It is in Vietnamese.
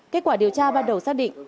kết quả điều tra ban đầu xác định